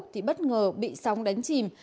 thì bất ngờ bị sóng đánh chìm